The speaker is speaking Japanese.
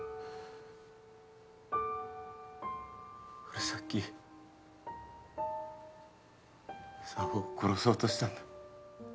俺さっき沙帆を殺そうとしたんだ。